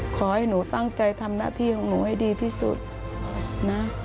ขอให้หนูตั้งใจทำหน้าที่ของหนูให้ดีที่สุดนะ